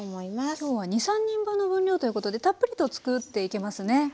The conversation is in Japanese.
今日は２３人分の分量ということでたっぷりと作っていけますね。